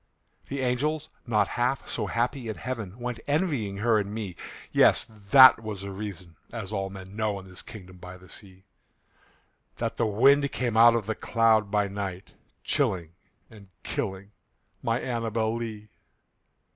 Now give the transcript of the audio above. The angels, not half so happy in heaven, Went envying her and me Yes! that was the reason (as all men know, In this kingdom by the sea) That the wind came out of the cloud by night, Chilling and killing my ANNABEL LEE.